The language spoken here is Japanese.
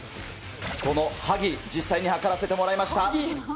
そのはぎ、実際に測らせてもらいました。